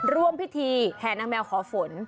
ร่วมพิธีแห่นางแมวขอฝน